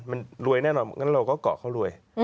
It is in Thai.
มันรวยแน่นอนงั้นเราก็เกาะเขารวย